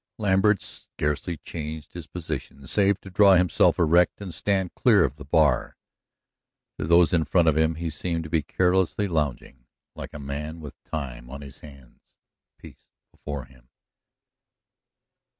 Lambert scarcely changed his position, save to draw himself erect and stand clear of the bar. To those in front of him he seemed to be carelessly lounging, like a man with time on his hands, peace before him.